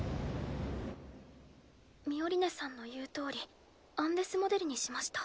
ミオリネさんの言うとおりアンデスモデルにしました。